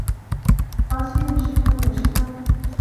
狼溪陨石坑是位于西澳大利亚州一个保存完好的陨石坑。